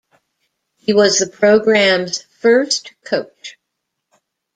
He was the program's first coach.